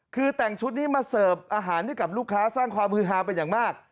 คือแต่งชุดนี้มาเสิร์ฟอาหารให้กับลูกค้าสร้างความฮือฮาเป็นอย่างมาก